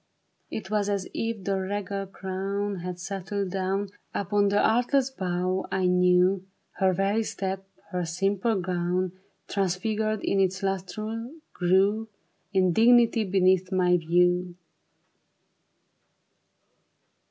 It was as if a regal crown Had settled down Upon the artless brow I knew ; Her very step, her simple gown. Transfigured in its lustre, grew In dignity beneath my view.